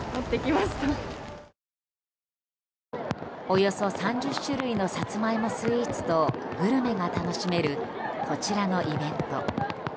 およそ３０種類のさつまいもスイーツとグルメが楽しめるこちらのイベント。